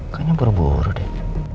kayaknya buru buru deh